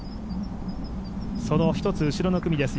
その一つ後ろの組です